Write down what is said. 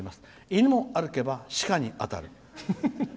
犬も歩けば歯科に当たる。